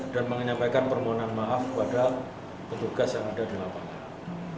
dan menyampaikan permohonan maaf kepada petugas yang ada di lapangan